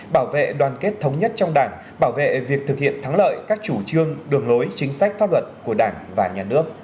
bảo vệ đoàn kết thống nhất trong đảng bảo vệ việc thực hiện thắng lợi các chủ trương đường lối chính sách pháp luật của đảng và nhà nước